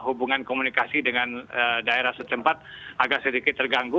karena hubungan komunikasi dengan daerah setempat agak sedikit terganggu